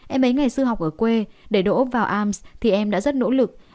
em ấy ngày xưa học ở quê để đổ ốc vào arms thì em đã rất nỗ lực